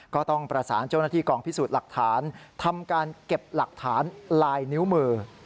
ก็ต้องประสานเจ้าหน้าที่กองพิสูจน์หลักฐานทำการเก็บหลักฐานลายนิ้วมือ